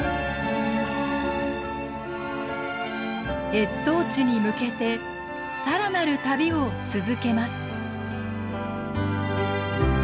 越冬地に向けてさらなる旅を続けます。